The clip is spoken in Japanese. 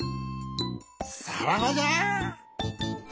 さらばじゃ！